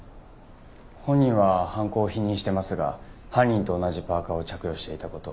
本人は犯行を否認してますが犯人と同じパーカを着用していた事